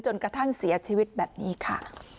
กระทั่งเสียชีวิตแบบนี้ค่ะ